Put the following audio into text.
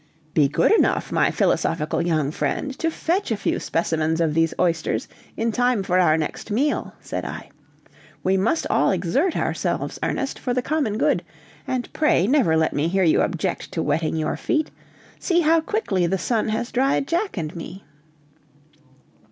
"Be good enough, my philosophical young friend, to fetch a few specimens of these oysters in time for our next meal," said I; "we must all exert ourselves, Ernest, for the common good, and pray never let me hear you object to wetting your feet. See how quickly the sun has dried Jack and me."